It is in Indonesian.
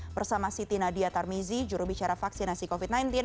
bersama siti nadia tarmizi jurubicara vaksinasi covid sembilan belas